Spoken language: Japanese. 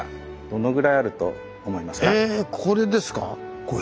えこれですか？